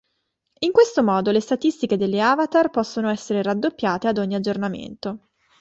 In questo modo, le statistiche delle avatar possono essere raddoppiate ad ogni aggiornamento.